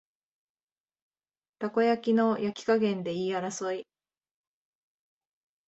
たこ焼きの焼き加減で言い争い